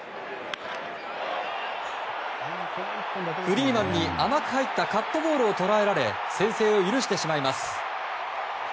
フリーマンに甘く入ったカットボールを捉えられ先制を許してしまいます。